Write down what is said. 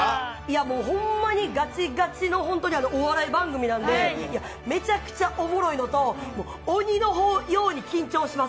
もう、ほんまにがちがちの、本当にお笑い番組なんで、めちゃくちゃおもろいのと、鬼のように緊張します。